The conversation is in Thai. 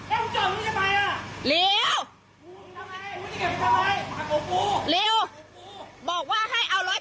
เอารถเถาบ้านเอารถเข้าบ้าน